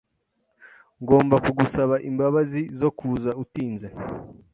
Ngomba kugusaba imbabazi zo kuza utinze.